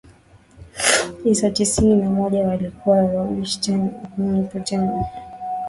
isa tisini na moja walikuwa Boris Yeltsin na Vladimir PutinDmitry Medvedev alichaguliwa kuwa